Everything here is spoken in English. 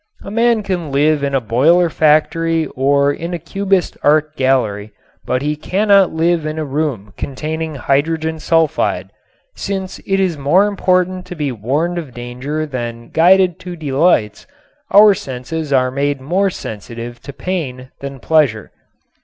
A man can live in a boiler factory or in a cubist art gallery, but he cannot live in a room containing hydrogen sulfide. Since it is more important to be warned of danger than guided to delights our senses are made more sensitive to pain than pleasure.